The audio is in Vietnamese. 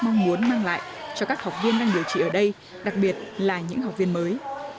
mong muốn mang lại cho các học viên đang điều trị ở đây đặc biệt là những học viên mới